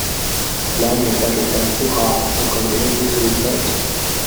Land later returned to Harvard to continue his research.